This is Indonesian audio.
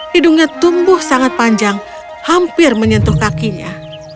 hidungnya tumbuh sangat panjang hampir menyentuh kakinya